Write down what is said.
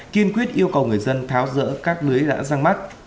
kiên quyết yêu cầu người dân tháo rỡ các lưới đã rang mắt